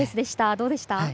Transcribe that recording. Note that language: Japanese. どうでした？